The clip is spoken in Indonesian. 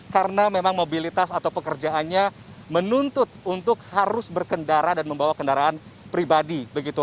karena memang mobilitas atau pekerjaannya menuntut untuk harus berkendara dan membawa kendaraan pribadi